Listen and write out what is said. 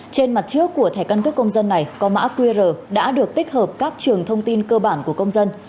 trên mặt trước của thẻ căn cước công dân này có mã qr đã được tích hợp các trường thông tin cơ bản của công dân